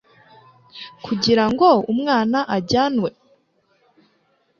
Kugira ngo umwana ajyanwe